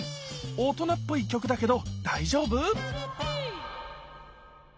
大人っぽい曲だけど大丈夫？